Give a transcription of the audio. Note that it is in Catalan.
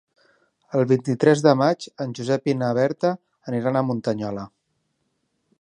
El vint-i-tres de maig en Josep i na Berta aniran a Muntanyola.